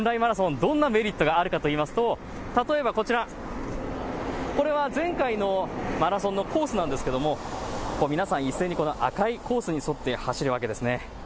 どんなメリットがあるかといいますと例えばこちらこれは前回のマラソンのコースなんですけども皆さん一斉に赤いコースに沿って走るわけですね。